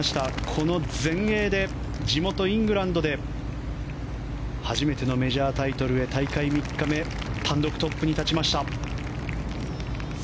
この全英で地元イングランドで初めてのメジャータイトルへ大会３日目単独トップに立ちました。